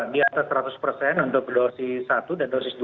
di atas seratus persen untuk dosis satu dan dosis dua